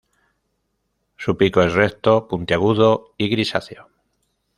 Su pico es recto, puntiagudo y grisáceo.